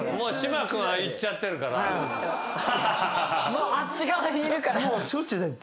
もうあっち側にいるから。